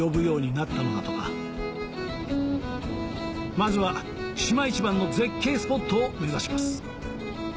まずは島一番の絶景スポットを目指します